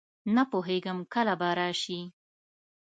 نه پوهېږم کله به راشي.